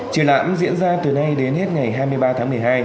triển lãm diễn ra từ nay đến hết ngày hai mươi ba tháng một mươi hai